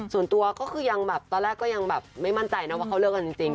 ส่วนตัวก็คือยังแบบตอนแรกก็ยังแบบไม่มั่นใจนะว่าเขาเลิกกันจริง